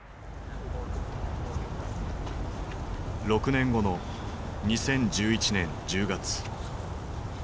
６年後の２０１１年１０月。